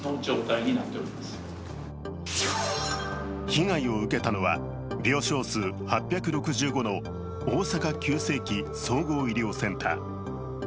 被害を受けたのは病床数８６５の大阪急性期・総合医療センター。